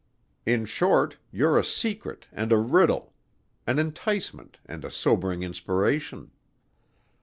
In short, you're a secret and a riddle: an enticement and a sobering inspiration."